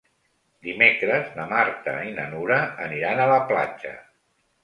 Dimecres na Marta i na Nura aniran a la platja.